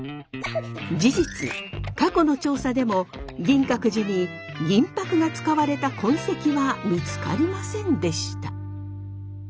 事実過去の調査でも銀閣寺に銀箔が使われた痕跡は見つかりませんでした。